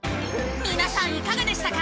皆さんいかがでしたか？